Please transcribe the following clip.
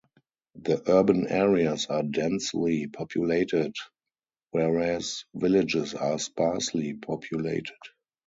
The urban areas are densely populated whereas villages are sparsely populated.